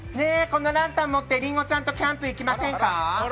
このランタンを持ってりんごちゃんとキャンプ行きませんか？